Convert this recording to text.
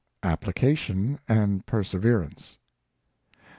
^3 3 c^ APPLICATION AND PERSEVERANCE.